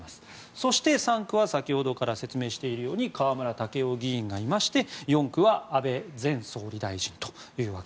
そして、３区は先ほどから説明しているように河村建夫議員がいまして４区は安倍前総理大臣と。